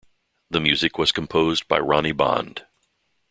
The music was composed by Ronnie Bond.